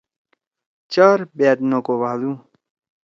چار بأت نہ کوبھادُو۔